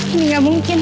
ini enggak mungkin